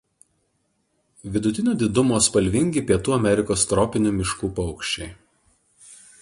Vidutinio didumo spalvingi Pietų Amerikos tropinių miškų paukščiai.